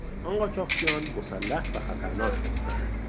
آن قاچاقچیان مسلح و خطرناک هستند.